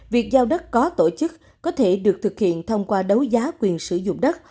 việc giao đất có tổ chức có thể được thực hiện thông qua đấu giá quyền sử dụng đất